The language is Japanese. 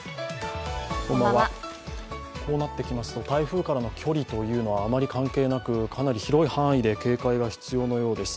こうなってきますと台風からの距離というのはあまり関係なくかなり広い範囲で警戒が必要のようです。